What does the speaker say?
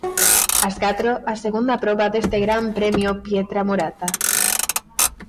Ás catro, a segunda proba deste Gran Premio Pietramurata.